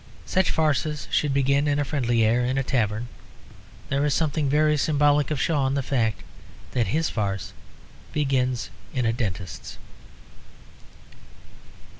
Such farces should begin in a friendly air, in a tavern. There is something very symbolic of Shaw in the fact that his farce begins in a dentist's.